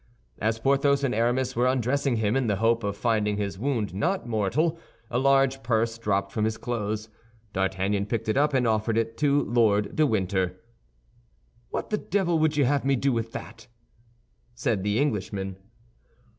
As Porthos and Aramis were undressing him, in the hope of finding his wound not mortal, a large purse dropped from his clothes. D'Artagnan picked it up and offered it to Lord de Winter. "What the devil would you have me do with that?" said the Englishman.